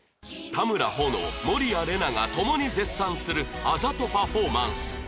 田村保乃守屋麗奈が共に絶賛するあざとパフォーマンス